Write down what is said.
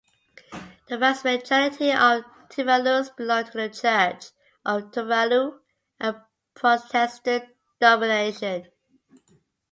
The vast majority of Tuvaluans belong to the Church of Tuvalu, a Protestant denomination.